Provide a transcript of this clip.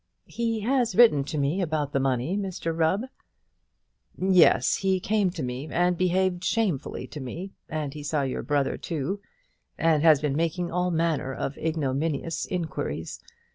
"He has written to me about the money, Mr Rubb." "Yes; he came to me, and behaved shamefully to me; and he saw your brother, too, and has been making all manner of ignominious inquiries.